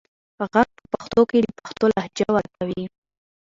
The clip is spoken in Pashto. غږ په پښتو کې د پښتو لهجه ورکوي.